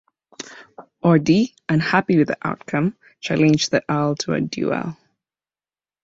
Orde, unhappy with the outcome, challenged the earl to a duel.